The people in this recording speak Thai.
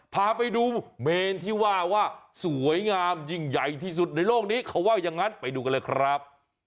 พาไปดูเมนที่ว่าว่าสวยงามยิ่งใหญ่ที่สุดในโลกนี้เขาว่าอย่างนั้นไปดูกันเลยครับ